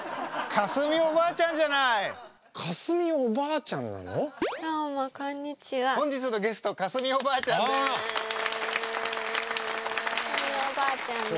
架純おばあちゃんです。